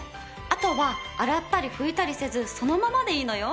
あとは洗ったり拭いたりせずそのままでいいのよ。